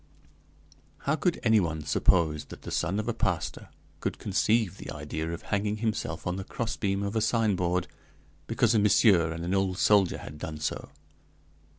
"How could anyone suppose that the son of a pastor could conceive the idea of hanging himself on the crossbeam of a signboard, because a big monsieur and an old soldier had done so?